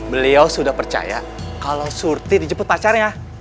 beliau sudah percaya kalau surti dijemput pacarnya